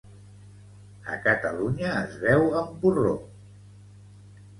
A Catalunya es beu amb porró.